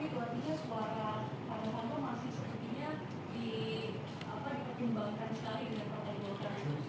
itu artinya suara pak bokar itu masih sepertinya dipercumbangkan sekali dengan pak pertai bokar itu